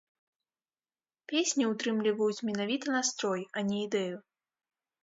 Песні ўтрымліваюць менавіта настрой, а не ідэю.